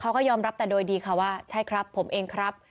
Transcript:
เขาก็ยอมรับแต่โดยดีค่ะว่าใช่ครับผมเองครับ